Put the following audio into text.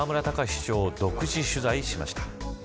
市長を独自取材しました。